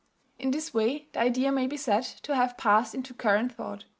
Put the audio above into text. In this way the idea may be said to have passed into current thought.